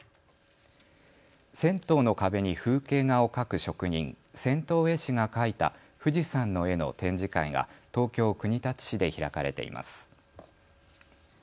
銭湯の壁に風景画を描く職人、銭湯絵師が描いた富士山の絵の展示会が東京国立市で開かれています。